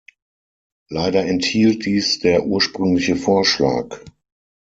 Leider enthielt dies der ursprüngliche Vorschlag.